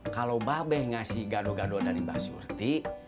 kalau babe ngasih gado gado dari mbak surti